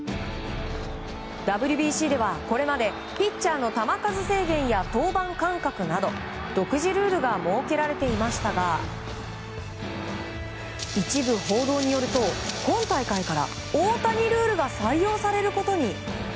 ＷＢＣでは、これまでピッチャーの球数制限や登板間隔など独自ルールが設けられていましたが一部報道によると、今大会から大谷ルールが採用されることに。